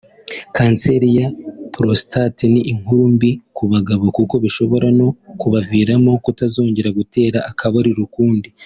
Kanseri ya prostate ni inkuru mbi ku bagabo kuko bishobora no kubaviramo kutazongera gutera akabariro ukundi